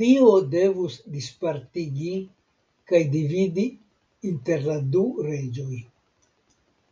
Dio devus dispartigi kaj dividi inter la du reĝoj.